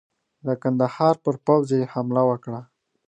د کندهار پر پوځ یې حمله وکړه.